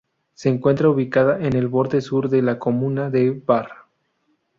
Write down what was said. Se encuentra ubicada en el borde sur de la comuna de Baar.